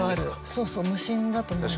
そうそう無心だと思う。